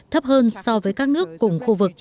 thấp hơn so với các nước cùng khu vực